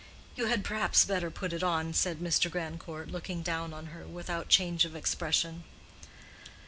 "You had perhaps better put it on," said Mr. Grandcourt, looking down on her without change of expression.